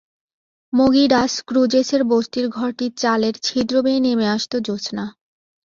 মোগি das ক্রুজেসের বস্তির ঘরটির চালের ছিদ্র বেয়ে নেমে আসত জ্যোৎস্না।